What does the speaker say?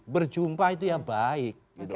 berjumpa itu ya baik